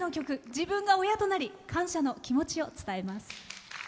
自分が親となり感謝の気持ちを伝えます。